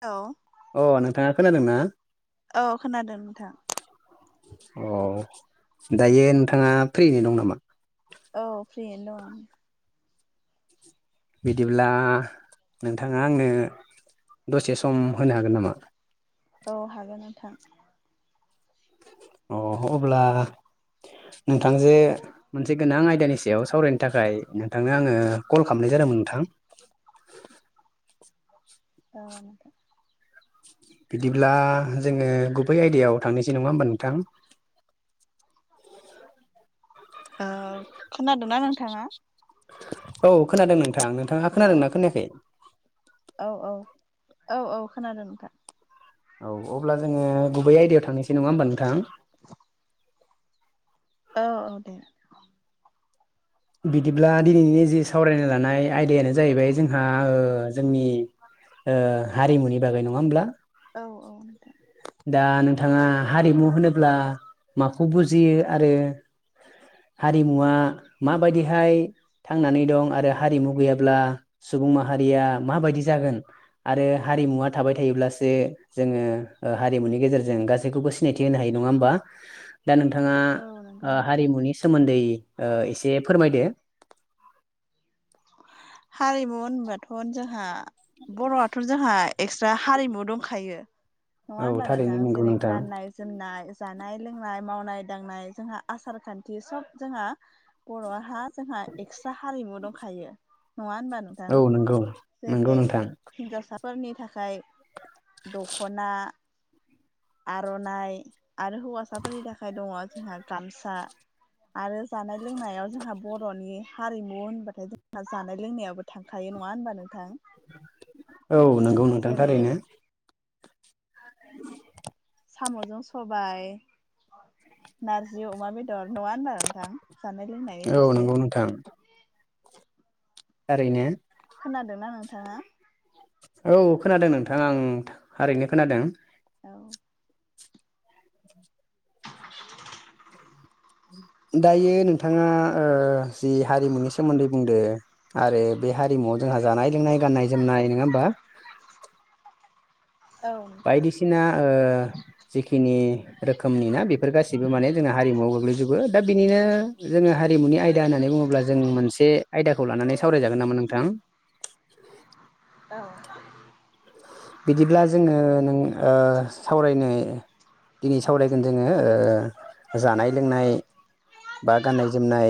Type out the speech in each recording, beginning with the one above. औ अ नोंथाङा खोनादों ना? औ खोनादों नोंथां अ दायो नोंथाङा फ्रि नो दं नामा औ फ्रियैनो दं बिदिब्ला नोंथाङा आंनो दसे सम होनो हागोन नामा औ हागोन नोंथां अ अब्ला नोंथां जे मोनसे गोनां आयदानि सायाव सावरायनो थाखाय नोंथांनो आङो कल खालामनाय जादोंमोन नोंथां ओ नोंथां बिदिब्ला जोङो गुबै आयदायाव थांनोसै नङा होम्बा नोंथां ओ खोनादों ना नोंथाङा? औ खोनादों नोंथां नोंथाङा हेलौ खोनादोंना खोनायाखै औ औ-औ-औ खोनादों नोंथां औ अब्ला जोङो गुबै आयदायाव थांनोसै नङा होम्बा नोंथां औ औ दे बिदिब्ला दिनैनि जि सावरायनो लानाय आयदायानो जाहैबाय जोंहा ओ जोंनि ओ हारिमुनि बागै नङा होमब्ला औ औ नोंथां दा नोंथाङा हारिमु होनोब्ला माखौ बुजियो आरो हारिमुवा माबायदिहाय थांनानै दं आरो हारिमु गैयाब्ला सुबुं माहारिया माबायदि जागोन आरो हारिमुवा थाबाय थायोब्लासो जोङो। ओ हारिमुनि गेजेरजों गासैखौबो सिनायथि होनो हायो नङा होम्बा। दा नोंथाङा औ नंगौ ओ नोंथां हारिमुनि सोमोन्दै ओ एसे फोरमायदो हारिमु होनबाथ' जोंहा बर'आथ' जोंहा एक्सट्रा हारिमु दंखायो नङा औ होनबा नोंथां थारैनो नंगौ जेरै नोंथां गाननाय जोमनाय जानाय लोंनाय मावनाय दांनाय जोंहा आसार खान्थि सब जोंहा बर'हा जोंहा एक्सट्रा हारिमु दंखायो नङा होनबा नों औ नंगौ नंगौ नोंथां। हिनजावसाफोरनि थाखाय दख'ना आर'नाइ आरो हौवासाफोरनि थाखाय दङ जोंहा गामसा आरो जानाय लोंनायाव जोंहा बर'नि हारिमु होनबाथाय जोंहा जानाय लोंनायाबो थांखायो नङा होनबा नोंथां औ नंगौ नोंथां जेरै थारैनो। [inaudible] साम'जों सबाय नारजि अमा बेद नङा होनबा नोंथां जानाय लोंनायनि औ फारसे नंगौ नोंथां थारैनो खोनादोंना नोंथाङा औ खोनादों नोंथां आं थारैनो खोनादों। औ [inaudible] दायो नोंथाङा ओ जि हारिमुनि सोमोन्दै बुंदो आरो बे हारिमुआव जोंहा जानाय लोंनाय गान्नाय जोमनाय नोङा होमबा औ फिना ओ जिखिनि रोखोमनि ना बेफोर गासिबो माने जोंना हारिमुयाव गोग्लैजोबो दा बिनिनो जोङो हारिमुनि आयदा होननानै बुङोब्ला जों मोनसे आयदाखौ लानानै सावरायजागोन नामा नोंथां औ बिदिब्ला जोङो नों ओ सावरायनि दिनै सावरायगोन जोङो ओ जानाय लोंनाय बा गाननाय जोमनाय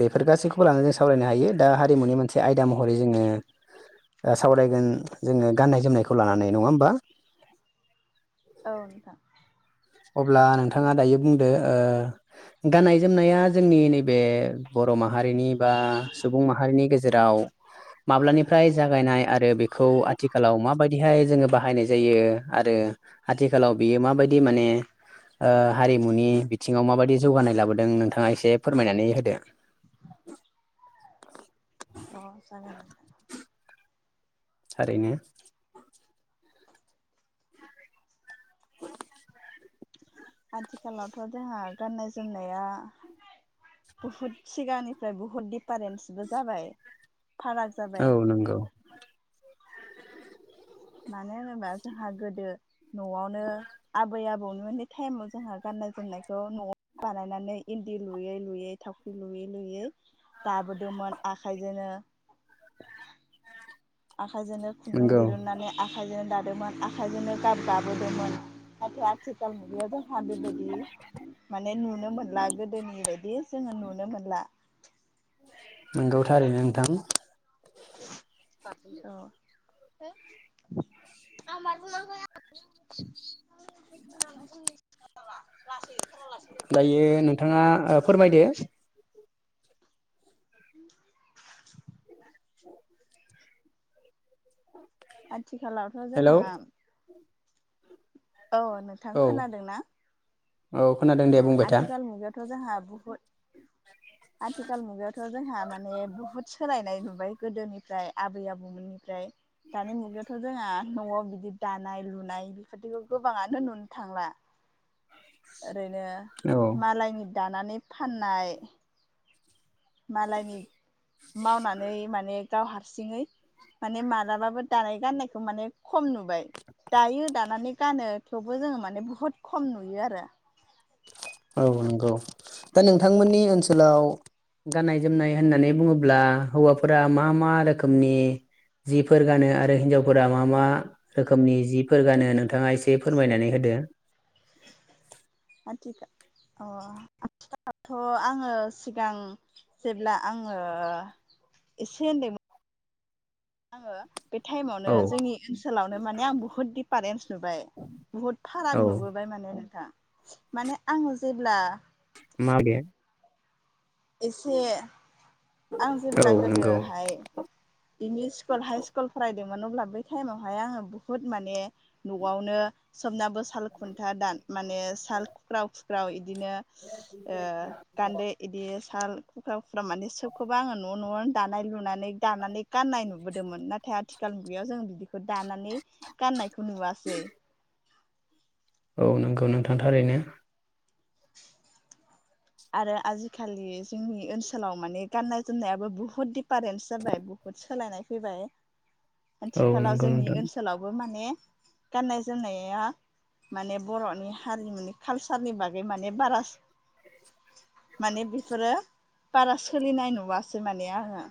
बेफोर गासैखौबो लानानै जों सावरायनो हायो दा हारिमुनि मोनसे आयदा महरै जोङो ओ सावरायगोन जोङो गाननाय जोमनायखौ लानानै नङा होमबा औ नोंथां अब्ला नोंथाङा दायो बुंदो ओ गाननाय जोमनाया जोंनि नैबे बर' माहारिनि बा सुबुं माहारिनि गेजेराव माब्लानिफ्राय जागायनाय आरो बेखौ आथिखालाव माबायदिहाय जोङो बाहायनाय जायो आरो आथिखालाव बियो माबायदि माने ओ हारिमुनि बिथिङाव माबायदि जौगानाय लाबोदों नोंथाङा एसे फोरमायनानै होदो अ जागोन दे थारैनो आथिखालावथ' जोंहा गाननाय जोमनाया बुहुद सिगांनिफ्राय बुहुत दिडफारेन्सबो जाबाय फाराग औ जाबाय नांगौ मानो होनोबा जोंहा गोदो न'आवनो आबै आबौमोननि टाइमाव जोंहा गाननाय जोमनायखौ न'आव बानायनानै इन्दि लुयै लुयै थावख्रि लुयै लुयै दाबोदोंमोन आखाइजोंनो आखाइजोंनो खुन्दुं नंगौ दिरुननानै आखाइजोंनो दादोंमोन आखाइजोंनो गाब गाबोदोंमोन नाथाय आथिखाल मुगायाव द बेबायदि माने नुनो मोनला गोदोनि बायदि जोङो नुनो मोनला नंगौ थारैनो नोंथां बाख औ [unintelligible] [unintelligible] [unintelligible] लासै ओंखारालासिनो दायो नोंथाङा फोरमायदो [inaudible] आथिखालावथ' हेलौ जोंहा औ नोंथां औ खोनादों ना औ खोनादों दे अ बुंबाय था आथिखाल मुगायावथ' जोंहा बहुद आथिखाल मुगायावथ' थ' जोंहा माने बुहुत सोलायनाय नुबाय गोदोनिफ्राय आबै आबौमोननिफ्राय दानि मुगायावथ' जोंहा न'आव बिदि दानाय लुनाय बेफोरदिखौ गोबाङानो नुनो थांला ओरैनो औ मालायनि दानानै फाननाय मालायनि मावनानै माने गाव हारसिङै माने मालाबाबो दानाय गाननायखौ माने खम नुबाय दायो दानानै गानो थेवबो जोङो माने बुहुद खम नुयो आरो औ नंगौ दा नोंथांमोननि ओनसोलाव गाननाय जोमनाय होननानै बुङोब्ला हौवाफोरा मा मा रोखोमनि जिफोर गानो आरो हिन्जावफोरा मा मा रोखोमनि जिफोर गानो नोंथाङा एसे फोरमायनानै होदो आथिखाल अ आथिखालथ' आङो सिगां जेब्ला आङो एसे उन्दैमोन आङो बे टाइमावनो औ जोंनि ओनसोलावनो माने आं बुहुत पारेन्स नुबाय बुहुत औ फाराग नुबोबाय माने नोंथां माने आंडो़ जेब्ला मबे एसे आं औ जेब्ला नंगौ गोदोहाय इम इ स्कुल हाइ स्कुल फरायदोंमोन अब्ला बै टाइमावहाय आङो बुहुत माने न'आवनो सोमनाबो साल खुन्था दान माने साल खुख्राव खुख्राव बिदिनो गान्दै बिदि साल कुक्रा कुक्रा माने सोब खौबबो आङो न' न'आवनो दानाय लुनानै दानानै गाननायट नुबोदोंमोन नाथाय आथिखाल मुगायाव जों बिदिखौ बे दानानै गाननायखौ नुवासै औ नंगौ नोंथांथाररैनो [inaudible] आरो आजिखालि जोंनि ओनसोलाव माने गाननाय जोमनायाबो बुहुत दिफारेन्स जाबाय बहुद सोलायनाय फैबाय [inaudible] आथिखालाव नंगौ जोंनि नोंथां ओनसोलावबो माने गाननाय जोमनाया माने बर'नि हारिमुनि कालसारनि बागै माने बारा माने बेफोरो बारा सोलिनाय नुवासै माने आङो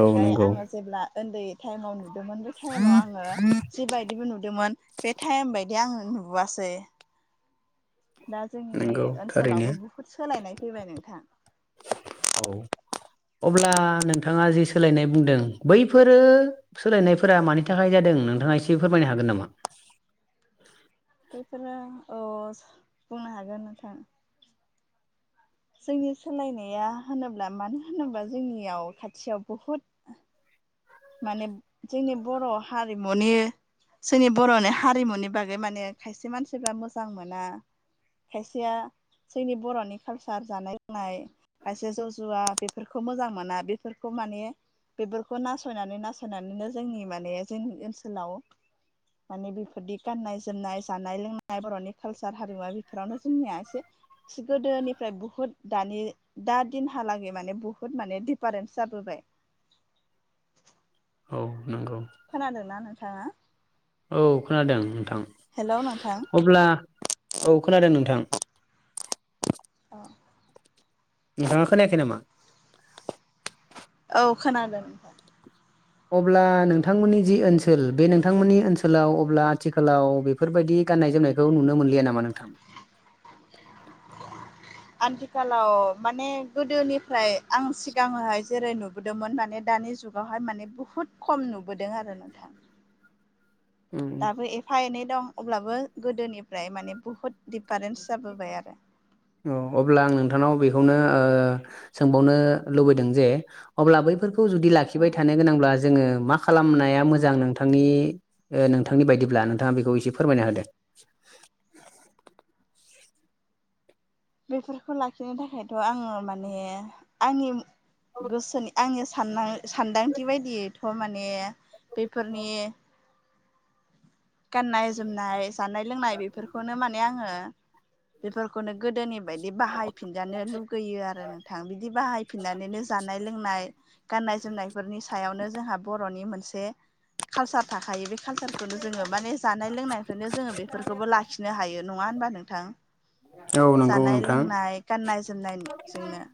औ नंगौ आङो जेब्ला उन्दै टाइमाव नुदोंमोन बे टाइमाव आङो जिबायदिबो नुदोंमोन बे टाइम बायदि आं नुबोआसै दा जोंनि नंगौ थारैनो ओनसोलावबो बुहुद सोलायनाय फैबाय नोंथां औ अब्ला नोंथाङा जि सोलायनाय बुंदों बैफोरो सोलायनायफोरा मानि थाखाय जादों नोंथाङा एसे फोरमायनो हागोन नामा बेफोरो औ बुंनो हागोन नोंथां जोंनि सोलायनाया होनोब्ला मानो होनोब्ला जोंनियाव खाथियाव बहुद माने जोंनि बर' हारिमुनि जोंनि बर'नि हारिमुनि बागै माने खायसे मानसिफ्रा मोजां मोना खायसेया जोंनि बर'नि कालसार जानाय लोंनाय खायसे ज जुवा बेफोरखौ मोजां मोना बेफोरखौ माने बेफोरखौ नास नासयनानै नासयनानैनो जोंनि माने जोंनि ओनसोलाव माने बेफोरदि गाननाय जोमनाय जानाय लोंनाय बर'नि कालसार हारिमुआ बेफोरावनो जोंनिया एसे सि गोदोनिफ्राय बुहुत दानि दा दिनहालागै माने बुहुत माने दिफारेन्स जाबोबाय औ नंगौ खोनादोंना नोंथाङा औ खोनादों नोंथां हेल' नोंथां अब्ला औ खोनादों नोंथां अ नोंथाङा खोनायाखै नामा? औ खोनादों ओमफ्राय अब्ला नोंथांमोननि जि ओनसोल बे नोंथांमोननि ओनसोलाव अब्ला आथिखालाव बे बेफोरबायदि गान्नाय जोमनायखौ नुनो मोनलिया नामा नोंथां आथिखालाव माने गोदोनिफ्राय आं सिगांहाय जेरै नुबोदोंमोन माने दानि जुग बेआवहाय माने बुहुद खम नुबोदों आरो नोंथां। दाबो एफा एनै दं अब्लाबो गोदोनिफ्राय माने बुहुत दिडिफारेन्स जाबोबाय आरो औ अब्ला आं नोंथांनाव बेखौनो सोंबावनो लुबैदों जे अब्ला बैफोरखौ जुदि लाखिबाय थानो गोनांब्ला जोङो मा खालामनाया मोजां नोंथांनि नोंथांनि बायदिब्ला नोंथाङा बेखौ एसे फोरमायना होदो बेफोरखौ लाखिनो थाखायथ' आङो माने आंनि गोसोनि आंनि साननानै सान्दांथि बायदियैथ' माने बेफोरनि गाननाय जोमनाय जानाय लोंनाय बेफोरखौनो माने आङो बेफोरखौनो गोदोनि बायदि बाहायफिनजानो लुगैयो आरो नोंथां बिदि बाहायफिननानैनो जानाय लोंनाय गाननाय जोमनायफोरनि सायावनो जोंहा बर'नि मोनसे कालसार थाखायो बे कालसारखौनो जोङो माने जानाय लोंनायनिफ्रायनो जोङो बेफोरखौबो लाखिनो हायो नङा होनबा नोंथां औ नंगौ जानाय नोंथां लोंनाय गाननाय जोमनायजोंनो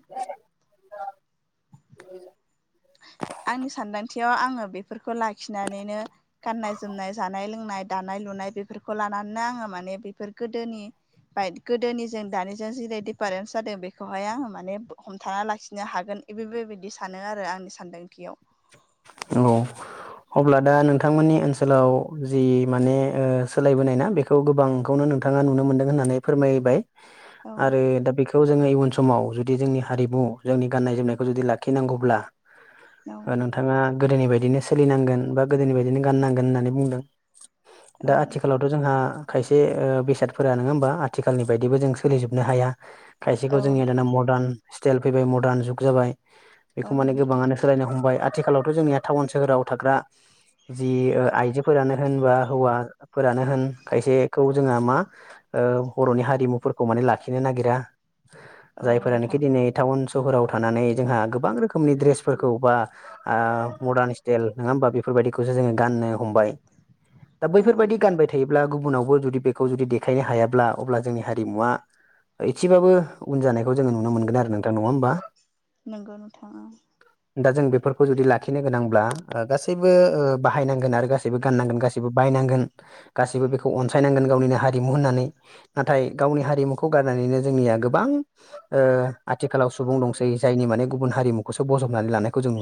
औ आंनि सानदांथियाव आङो बेफोरखौ लाखिनानैनो गाननाय जोमनाय जानाय लोंनाय दानाय लुनाय बेफोरखौ लानानैनो आङो माने बेफोर गोदोनि बमाय गोदोनिजों दानिजों जेरै दिडिफारेन्स जादों बेखौहाय आं माने हमथाना लाखिनो हागोन बे बेबायदि सानो आरो आंनि सान्दांथियाव नोंगौ अब्ला दा नोंथांमोननि ओनसोलाव जि माने सोलायबोनाय ना बेखौ खौ गोबांखौनो नोंथाङा नुनो मोनदों होननानै फोरमायबाय औ आरो दा बेखौ जोङो इ समाव जुदि जोंनि हारिमु जोंनि गाननाय जोमनायखौ जुदि लाखिनांगौब्ला उम नोंथाङा गोदोनि बायदिनो सोलिनांगोन बा गोदोनि बायदिनो गाननांगोन होननानै बुंदों। दा आथिखालाव थ जोंहा खायसे ओ बेसादफोरा नोङा होमबा आथिखालनि बायदिबो जों सोलिजोबनो हाया खायसेखौ औ जोंनिया दाना मदार्न स्टाइल फैबाय मदार्न जुग जाबाय औ बेखौ माने नोंथां गोबाङानो सोलायनो हमबाय आरो आथिखालावथ' जोंनिया टाउन सोहोराव थाग्रा जि ओ आइजोफोरानो होनबा हौवा फोरानो होन खायसेखौ जोंहा मा ओ बर'नि हारिमुफोरखौ माने लाखिनो नागिरा औ नोंथां औ नोंथां जायफोरानोखि दिनै टाउन सहराव थानानै जोंहा गोबां रोखोमनि ड्रेसफोरखौ बा ओ मदार्न स्टाइल नङा होमबा बेफोरबायदिखौसो जोङो गाननो हमबाय दा औ नोंथां बैफोरबायदि गानबाय था थायोब्ला गुबुनावबो जुदि बेखौ जुदि देखायनो हायाब्ला अब्ला जोंनि हारिमुवा एसेबाबो उन जानायखौ जोङो नुनो मोनगोन आरो नोंथां नङा होमबा? नोंगौ नोंथा ओं। दा जों बेफोरखौ जुदि लाखिनो गोनांब्ला ओ गासैबो ओ बाहायनांगोन आरो गासैबो गाननांगोन गासै सैबो बायनांगोन गासिबो बेखौ अनसायनांगोन गावनिनो हारिमु होननानै नाथाय गावनि हारिमु खौ गारनानैनो जोंनिया गोबां ओ आथिखालाव सुबुं दंसै जायनि माने गुबुन हारिमुखौसो बजबनानै लानायखौ जों नु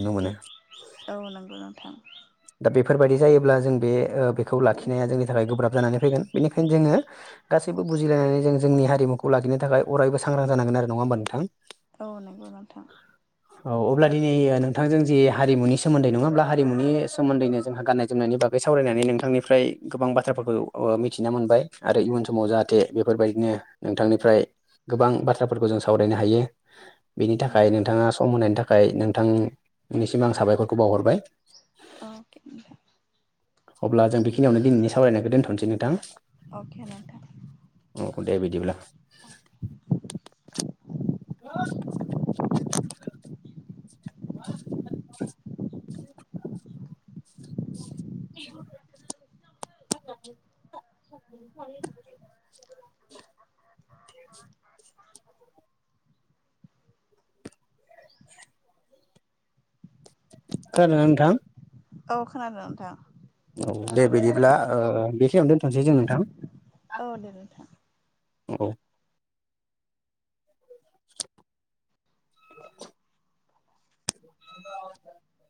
औ नंगौ नोंथां। दा बेफोरबायदि जायोब्ला जों बे ओ बेखौ लाखिनाया जोंनि थाखाय गोब्राब जानानै फैगोन बेनिखायनो जोङो गासैबो बुजिलायनानै जों जोंनि हारिमुखौ लाखिनो थाखाय अरायबो सांग्रां जानांगोन आरो नङा होमबा नोंथां? औ नंगौ नोंथां औ अब्ला दिनै नों नोंथांजों जि हारिमुनि सोमोन्दै नङाब्ला हारिमुनि सोमोन्दैनो जोंहा गाननाय जोमनायनि बागै सावरायनानै नोंथांनिफ्राय गोबां बाथ्राफोरखौ ओ मिथिना मोनबाय आरो इयुन समाव जाहाथे बेफोरबायदिनो नोंथांनिफ्राय गोबां बाथ्राफोरखौ जों सावरायनो हायो बेनि थाखाय नोंथाङा सम होनायनि थाखाय नोंथां निसिम आं साबायखरखौ बावहरबाय। अके नोंथां अब्ला जों बेखिनियावनो दिनैनि सावरायनायखौ दोनथ'नोसै नोंथां। अके नोंथां। औ दे बिदिब्ला। [inaudible] [inaudible] [inaudible] खोनादोंना नोंथां? औ खोनादों नोंथां। औ दे बिदिब्ला ओ बेखिनियावनो दोनथ'नोसै जों नोंथां। औ दे नोंथां। औ। [inaudible]